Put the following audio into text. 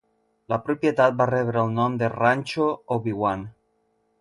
La propietat va rebre el nom de Rancho Obi-Wan.